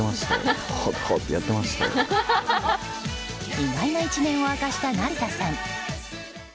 意外な一面を明かした成田さん。